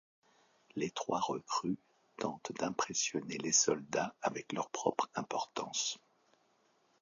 Les trois recrues tentent d'impressionner les soldats avec leur propre importance.